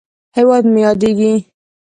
هېواد مې یادیږې!